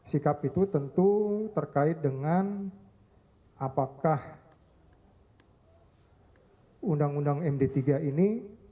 sikap itu tentu terkait dengan apakah undang undang md tiga ini